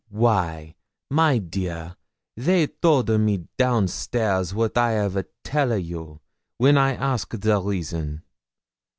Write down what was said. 'Why, my dear, they told a me down stair what I have tell a you, when I ask the reason!